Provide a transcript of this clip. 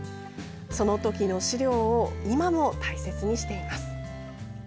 その時の資料を今も大切にしています。